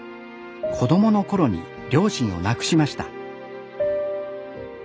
子どもの頃に両親を亡くしました。